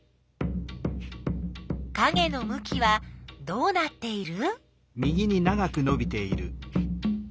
かげのむきはどうなっている？